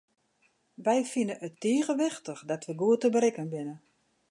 Wy fine it tige wichtich dat wy goed te berikken binne.